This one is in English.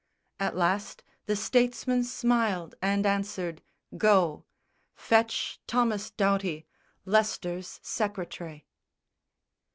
At last the statesman smiled and answered, "Go; Fetch Thomas Doughty, Leicester's secretary."